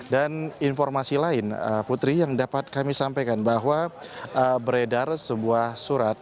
dan informasi lain putri yang dapat kami sampaikan bahwa beredar sebuah surat